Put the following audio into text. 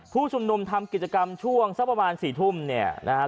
ผู้ชุมนุมทำกิจกรรมช่วงสักประมาณ๔ทุ่มเนี่ยนะครับ